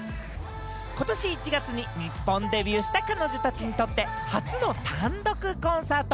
ことし１月に日本デビューした彼女たちにとって初の単独コンサート。